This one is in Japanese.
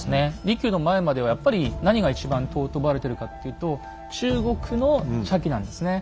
利休の前まではやっぱり何が一番尊ばれてるかっていうと中国の茶器なんですね。